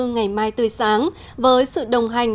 ngày mai tươi sáng với sự đồng hành